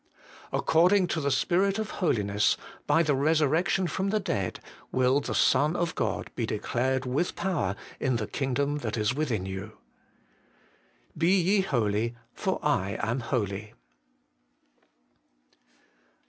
According to the Spirit of holiness, by the resurrec tion from the dead, will the Son of God be declared with power in the kingdom that is within you. BE YE HOLY, FOR I AM HOLY.